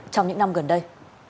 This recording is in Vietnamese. trong những năm gần đây